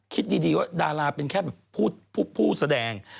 คิดดีว่าดาราเป็นแค่แบบผู้แสดง